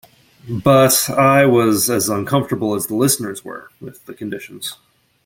But I was as uncomfortable as the listeners were with the conditions.